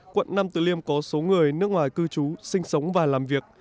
quận nam tử liêm có số người nước ngoài cư trú sinh sống và làm việc